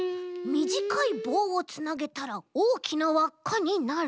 みじかいぼうをつなげたらおおきなわっかになる？